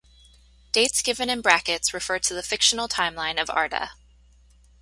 Dates given in brackets refer to the fictional timeline of Arda.